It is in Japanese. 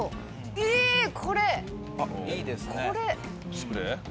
スプレー？